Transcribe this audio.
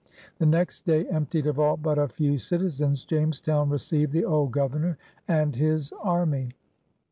The next day, emptied of all but a few citizens, Jamestown received the old Governor and his army.